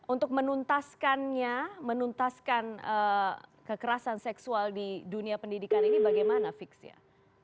untuk menuntaskannya menuntaskan kekerasan seksual di dunia pendidikan ini bagaimana fix ya